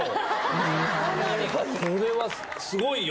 これはすごいよ！